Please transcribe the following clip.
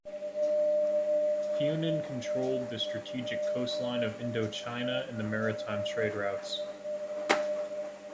Funan controlled the strategic coastline of Indochina and the maritime trade routes.